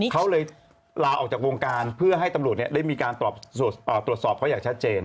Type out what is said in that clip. เขาเลยลาออกจากวงการเพื่อให้ตำรวจได้มีการตรวจสอบเขาอย่างชัดเจน